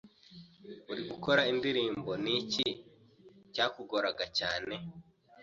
uri gukora indirimbo niki cyakugoraga cyane